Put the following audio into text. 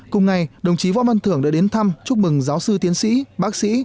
cùng ngày đồng chí võ văn thưởng đã đến thăm chúc mừng giáo sư tiến sĩ bác sĩ